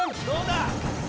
どうだ！